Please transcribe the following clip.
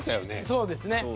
そうですね。